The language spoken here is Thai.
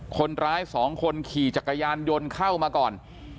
คนร้ายสองคนขี่จักรยานยนต์เข้ามาก่อน